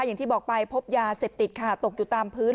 อย่างที่บอกไปพบยาเสพติดค่ะตกอยู่ตามพื้น